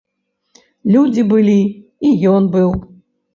Людзі былі, і ён быў.